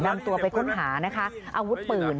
นำตัวไปค้นหานะคะอาวุธปืน